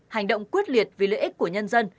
hành động quyết liệt vì lợi ích của nhân dân